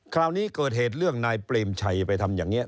คราวนี้เกิดเหตุเรื่องนายเปรมชัยไปทำอย่างนี้